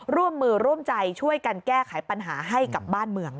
ร่วมมือร่วมใจช่วยกันแก้ไขปัญหาให้กับบ้านเมือง